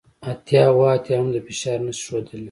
اتیا اوه اتیا هم د فشار نښې ښودلې